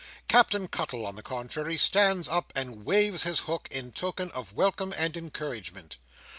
Captain Cuttle, on the contrary, stands up and waves his hook, in token of welcome and encouragement.